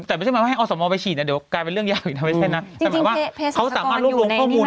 แต่ไม่ใช่หมายว่าให้อสมไปฉีดนะเดี๋ยวก็กลายเป็นเรื่องยากอีกทั้งวันแค่นั้น